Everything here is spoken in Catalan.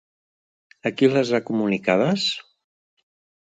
A qui les ha comunicades?